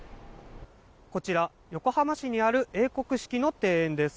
こちら、横浜市にある英国式の庭園です。